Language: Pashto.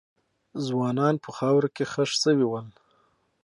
ځوانان په خاورو کې خښ سوي ول.